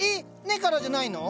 根からじゃないの？